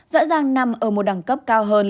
rõ ràng nằm ở một đẳng cấp cao hơn